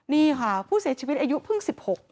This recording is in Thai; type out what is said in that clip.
นี่ค่ะผู้เสียชีวิตอายุเพิ่ง๑๖